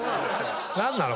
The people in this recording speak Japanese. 何なの？